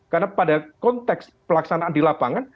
karena pada konteks pelaksanaan di lapangan